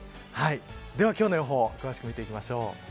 では今日の予報詳しく見ていきましょう。